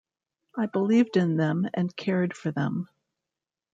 I believed in them and cared for them.